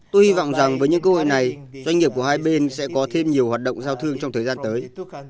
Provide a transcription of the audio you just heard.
tôi hy vọng rằng với những cơ hội này doanh nghiệp của hai bên sẽ có thêm nhiều hoạt động giao thương trong thời gian tới